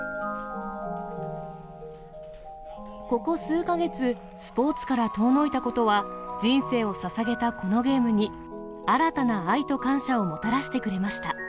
ここ数か月、スポーツから遠のいたことは、人生をささげたこのゲームに、新たな愛と感謝をもたらしてくれました。